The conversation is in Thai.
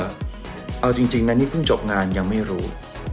เอาจริงนะนี่เพิ่งจบงานยังไม่รู้